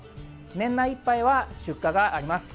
年内いっぱいは出荷があります。